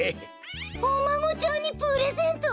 おまごちゃんにプレゼント？